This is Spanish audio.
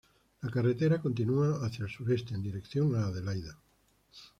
La carretera continúa hacia el sureste en dirección a Adelaida.